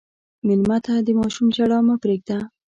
مېلمه ته د ماشوم ژړا مه پرېږده.